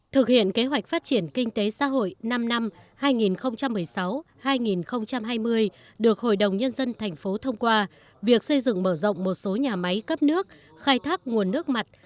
thực hiện kế hoạch phát triển kinh tế xã hội năm năm hai nghìn một mươi sáu hai nghìn hai mươi được hội đồng nhân dân thành phố thông qua việc xây dựng mở rộng một số nhà máy cấp nước khai thác nguồn nước mặt